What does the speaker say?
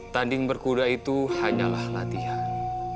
tanding berkuda itu hanyalah latihan